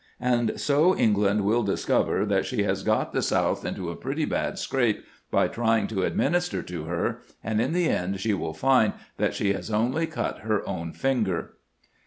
' And so England will discover that she has got the South into a pretty bad scrape by trying to administer to her, and in the end she will find that she has only cut her own finger."